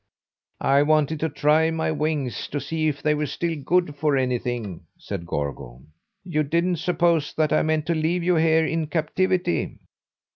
"I wanted to try my wings to see if they were still good for anything," said Gorgo. "You didn't suppose that I meant to leave you here in captivity?